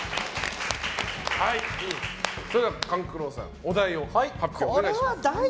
それでは勘九郎さんお題を発表してください。